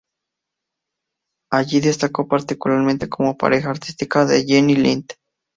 Allí destacó particularmente como pareja artística de Jenny Lind.